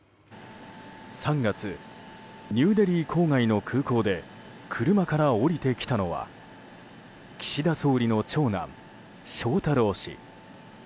３月ニューデリー郊外の空港で車から降りてきたのは岸田総理の長男・翔太郎氏。